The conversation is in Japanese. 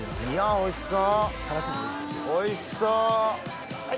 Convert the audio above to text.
おいしそう。